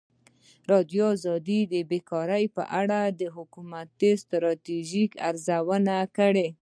ازادي راډیو د بیکاري په اړه د حکومتي ستراتیژۍ ارزونه کړې.